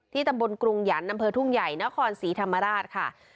ตำบลกรุงหยันต์อำเภอทุ่งใหญ่นครศรีธรรมราชค่ะ